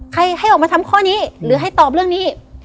ให้ออกมาทำข้อนี้หรือให้ตอบเรื่องนี้